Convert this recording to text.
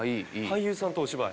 俳優さんとお芝居。